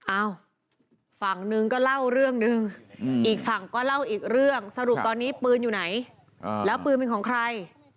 อ้าวฝั่งนึงก็เล่าเรื่องหนึ่งอีกฝั่งก็เล่าอีกเรื่องสรุปตอนนี้ปืนอยู่ไหนแล้วปืนเป็นของใคร